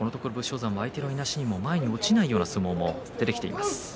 山相手のいなしにも前に落ちないような相撲が目立っています。